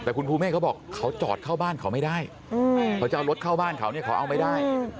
แต่คุณภูเมฆเขาบอกเขาจอดเข้าบ้านเขาไม่ได้เขาจะเอารถเข้าบ้านเขาเนี่ยเขาเอาไม่ได้